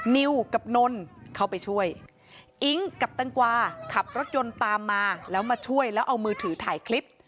นิวกับนนเข้าไปช่วยอิ๊งกับแตงกวาขับรถยนต์ตามมาแล้วมาช่วยแล้วเอามือถือถ่ายคลิป